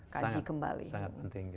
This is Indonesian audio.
kaji kembali sangat penting